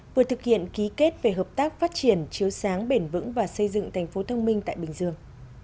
vừa thực hiện ký kết về hợp tác phát triển chiếu sáng bền vững và xây dựng thành phố thông minh tại bình dương